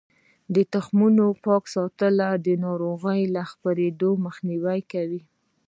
د تخمونو پاک ساتل د ناروغیو له خپریدو مخنیوی کوي.